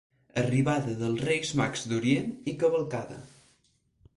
Arribada dels Reis Mags d'Orient i cavalcada.